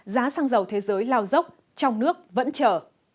giá xăng dầu thế giới lao dốc trong nước vẫn chở